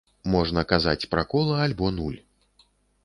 Можна казаць пра кола альбо нуль.